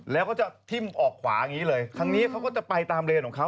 แล้วก็จะทิ้มออกขวาอย่างนี้เลยทางนี้เขาก็จะไปตามเลนของเขา